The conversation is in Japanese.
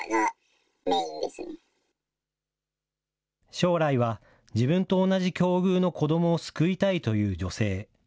将来は自分と同じ境遇の子どもを救いたいという女性。